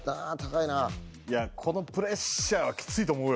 いやこのプレッシャーはきついと思うよ。